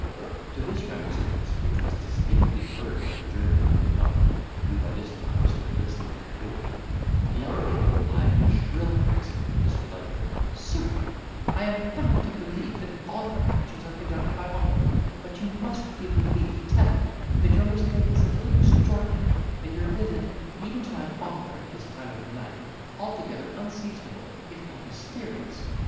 To this remonstrance, which was distinctly heard by the German and his wife, who by this time stood listening at the door, the young lady replied, in a shrill accent of displeasure, "Sir, I am bound to believe that all your actions are conducted by honour; but you must give me leave to tell you, that your mistake is a little extraordinary, and your visit, even to my father, at this time of the night, altogether unseasonable, if not mysterious.